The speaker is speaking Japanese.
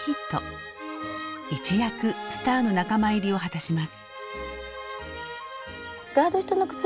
一躍スターの仲間入りを果たします。